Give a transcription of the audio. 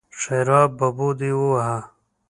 ښېرا: ببو دې ووهه!